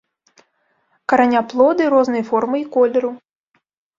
Караняплоды рознай формы і колеру.